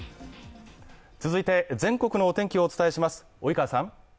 続いて全国のお天気をお伝えします。